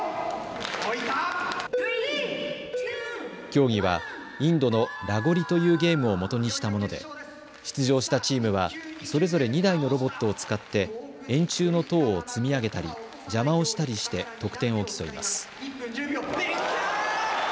競技はインドのラゴリというゲームをもとにしたもので出場したチームはそれぞれ２台のロボットを使って円柱の塔を積み上げたり邪魔をしたりして得点を競います。